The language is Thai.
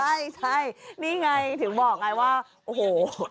ใช่นี่ไงถึงบอกไงว่าโอ้โห